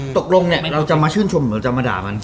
ตกลงเนี่ยเราจะมาชื่นชมหรือจะมาด่ามัน